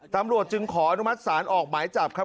ตำรวจจึงขออนุมัติศาลออกหมายจับครับ